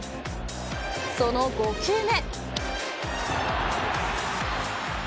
その５球目。